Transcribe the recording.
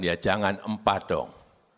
ya jangan empat dong